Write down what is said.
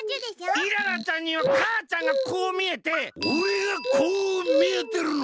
イララちゃんにはかあちゃんがこうみえておれがこうみえてるの？